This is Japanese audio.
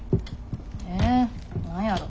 え何やろ。